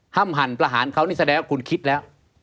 หั่นประหารเขานี่แสดงว่าคุณคิดแล้ว